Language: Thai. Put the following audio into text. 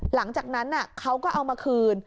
หลังจากนั้นเขาก็เอามาคืน